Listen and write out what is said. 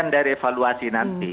kemudian dari evaluasi nanti